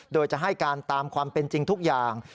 โดยจะให้การตามความเป็นจริงทุกอย่าง